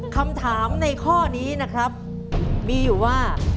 คำถามในข้อนี้นะครับมีอยู่ว่า